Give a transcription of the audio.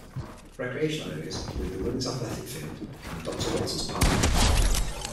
Recreational areas include the Women's Athletic Field and Doctor Walters Park.